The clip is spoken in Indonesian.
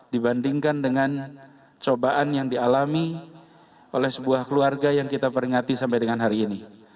dibandingkan dengan cobaan yang dialami oleh sebuah keluarga yang kita peringati sampai dengan hari ini